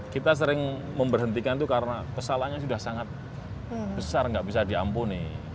kita sering memberhentikan itu karena kesalahannya sudah sangat besar nggak bisa diampuni